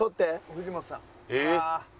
藤本さん。